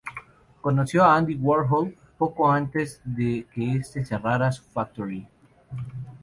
Conoció a Andy Warhol poco antes de que este cerrara su Factory.